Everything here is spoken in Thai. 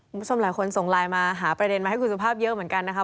คุณผู้ชมหลายคนส่งไลน์มาหาประเด็นมาให้คุณสุภาพเยอะเหมือนกันนะครับ